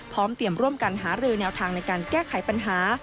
พร้อมเตรียมร่วมกันหารือแนวทางในการแก้ไขปัญหา